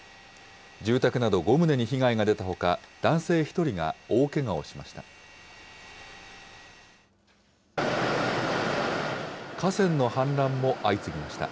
住宅など５棟に被害が出たほか、男性１人が大けがをしました。